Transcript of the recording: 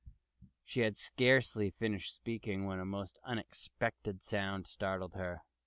She had scarcely finished speaking when a most unexpected sound startled her.